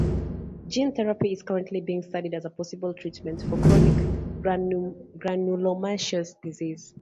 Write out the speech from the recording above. Gene therapy is currently being studied as a possible treatment for chronic granulomatous disease.